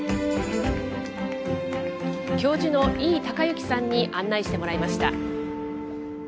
教授の飯考行さんに案内してもらいました。